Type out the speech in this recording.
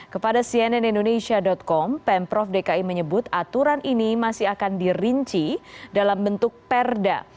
kepada cnn indonesia com pemprov dki menyebut aturan ini masih akan dirinci dalam bentuk perda